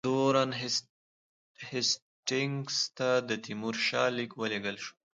د وارن هېسټینګز ته د تیمورشاه لیک ولېږل شو.